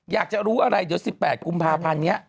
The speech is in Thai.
อยากจะรู้อะไรเดี๋ยว๑๘กุมภาพันธ์นี้